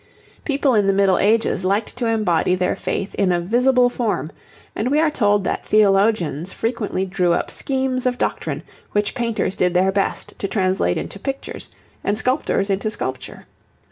People in the Middle Ages liked to embody their faith in a visible form, and we are told that theologians frequently drew up schemes of doctrine which painters did their best to translate into pictures, and sculptors into sculpture.